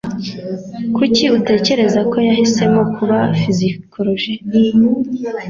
Kuki utekereza ko yahisemo kuba psychologue?